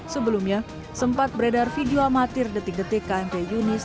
sebelumnya sempat beredar video amatir detik detik kmp yunis